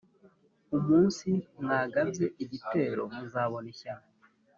umunsi mwagabye igitero muzabona ishyano.